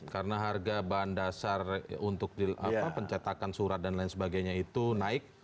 karena harga bahan dasar untuk pencetakan surat dan lain sebagainya itu naik